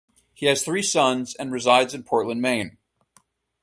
He has three sons and resides in Portland, Maine.